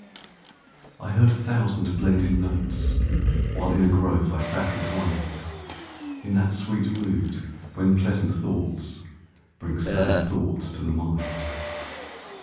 I heard a thousand blended notes While in a grove I sat reclined, In that sweet mood when pleasant thoughts Bring sad thoughts to the mind.